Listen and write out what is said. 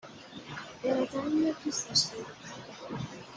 به نظر میاد دوستش داری